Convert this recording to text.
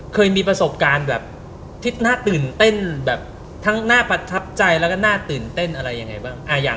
เคยมีประสบการณ์แบบที่น่าตื่นเต้นแบบทั้งน่าประทับใจแล้วก็น่าตื่นเต้นอะไรยังไงบ้าง